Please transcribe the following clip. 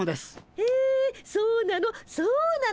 へえそうなの？